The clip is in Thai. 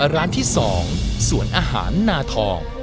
ร้านที่๒สวนอาหารนาทอง